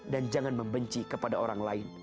dan jangan membenci kepada orang lain